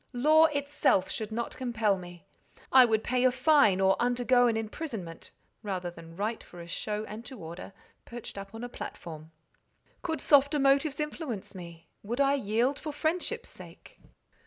Law itself should not compel me. I would pay a fine, or undergo an imprisonment, rather than write for a show and to order, perched up on a platform." "Could softer motives influence me? Would I yield for friendship's sake?"